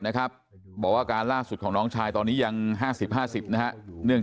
นะครับบอกว่าอาการล่าสุดของน้องชายตอนนี้ยัง๕๐๕๐นะฮะเนื่อง